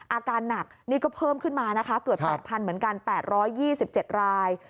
อาการหนักนี่ก็เพิ่มขึ้นมานะคะเกือบ๘๐๐เหมือนกัน๘๒๗ราย